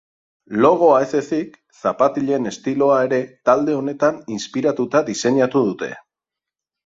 Logoa ez ezik, zapatilen estiloa ere talde honetan inspiratuta diseinatu dute.